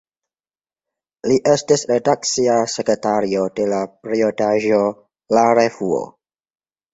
Li estis redakcia sekretario de la periodaĵo "La Revuo".